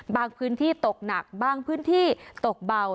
พื้นที่ตกหนักบางพื้นที่ตกเบา